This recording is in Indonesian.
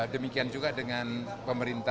demikian juga dengan pemerintah